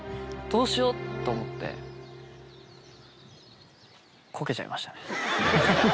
どうしようって思って、こけちゃいましたね。